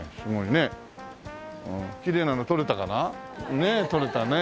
ねえ撮れたねえ。